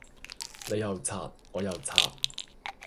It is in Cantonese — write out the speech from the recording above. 你又刷我又刷